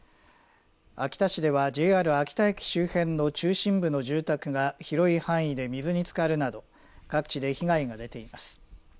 秋田市ではＪＲ秋田駅周辺の中心部の住宅が広い範囲で水につかるなど各地で被害が出ています。